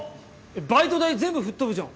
バイト代全部吹っ飛ぶじゃん。